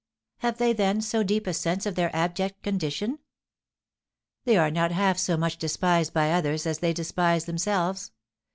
"Have they, then, so deep a sense of their abject condition?" "They are not half so much despised by others as they despise themselves.